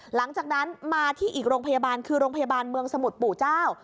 หลังจากนั้นมาที่อีกโรงพยาบาลคือโรงพยาบาลเมืองสมุทรปู่เจ้า